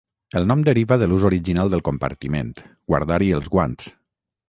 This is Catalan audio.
El nom deriva de l'ús original del compartiment: guardar-hi els guants.